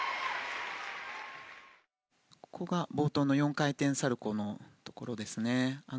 冒頭の４回転サルコウのところですね。